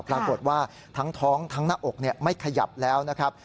ปรากฏว่าทั้งท้องทั้งหน้าอกไม่ขยับแล้วนะครับ